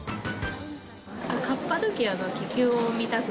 カッパドキアの気球を見たく